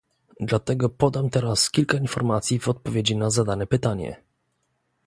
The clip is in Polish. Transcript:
Dlatego podam teraz kilka informacji w odpowiedzi na zadane pytanie